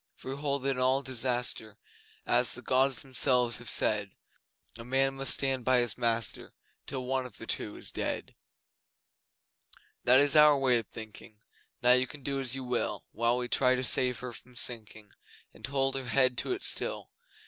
For we hold that in all disaster As the Gods Themselves have said A man must stand by his master Till one of the two is dead. That is our way of thinking, Now you can do as you will, While we try to save her from sinking, And hold her head to it still.